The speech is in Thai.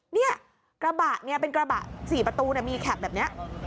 เนี่ยกระบะเป็นกระบะ๔ประตูเนี่ยมีแคปแบบเนี้ย